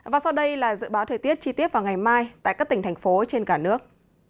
và sau đây là dự báo thời tiết chi tiết vào ngày mai tại các tỉnh thành phố trên cả nước